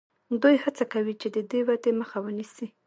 دوی هڅه کوي چې د دې ودې مخه ونیسي.